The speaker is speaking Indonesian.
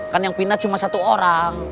kan yang pindah cuma satu orang